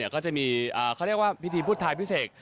ก็จะมีเขาเรียกว่าพิธีพุทธายพิเศษ